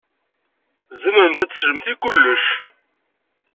Tzemremt ad teslemt i kullec.